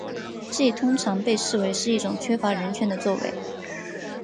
这通常被视为是一种缺乏人权的作为。